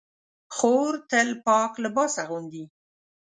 خور تل پاک لباس اغوندي.